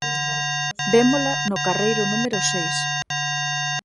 Vémola no carreiro número seis.